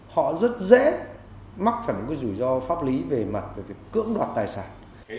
họ rất dễ mắc phải một cái rủi ro pháp lý về mặt về việc cưỡng đoạt tài sản